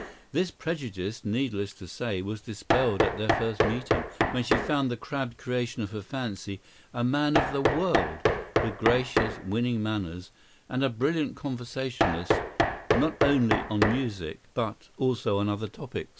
This prejudice, needless to say, was dispelled at their first meeting, when she found the crabbed creation of her fancy a man of the world, with gracious, winning manners, and a brilliant conversationalist not only on music, but also on other topics.